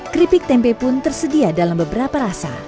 keripik tempe pun tersedia dalam beberapa rasa